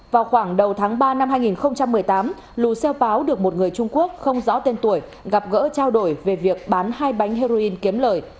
vào khoảng đầu tháng ba năm hai nghìn một mươi tám lù xeo páo được một người trung quốc không rõ tên tuổi gặp gỡ trao đổi về việc bán hai bánh heroin kiếm lời